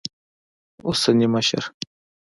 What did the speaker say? اوسني مشر